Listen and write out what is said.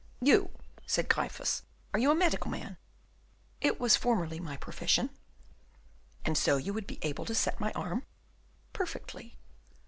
"You!" said Gryphus, "are you a medical man?" "It was formerly my profession." "And so you would be able to set my arm?" "Perfectly."